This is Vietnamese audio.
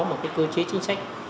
một cái cơ chế chính sách